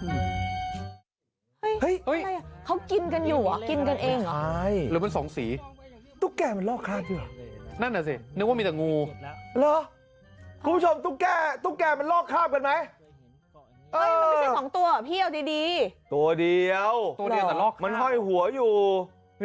หินอ่อนครับมันรอกคราบครับ